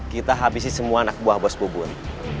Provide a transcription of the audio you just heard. kita habisi semua anak buah bos bubur